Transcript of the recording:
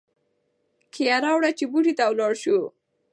کیه راوړه چې بوټي ته ولاړ شو.